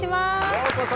ようこそ。